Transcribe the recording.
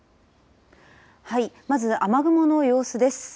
はい、まず雨雲の様子です。